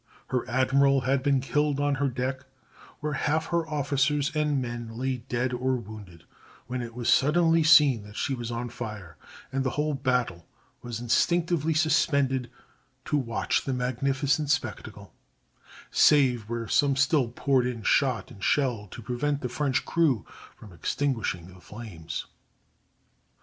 Her admiral had been killed on her deck, where half her officers and men lay dead or wounded, when it was suddenly seen that she was on fire, and the whole battle was instinctively suspended to watch the magnificent spectacle, save where some still poured in shot and shell to prevent the French crew from extinguishing the flames.